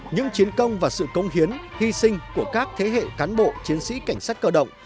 những chiến công và sự công hiến hy sinh của các thế hệ cán bộ chiến sĩ cảnh sát cơ động